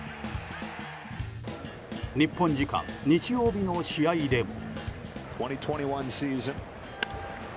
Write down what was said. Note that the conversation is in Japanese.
日本時間、日曜日の試合でも。